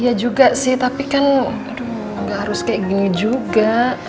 iya juga sih tapi kan aduh gak harus kayak gini juga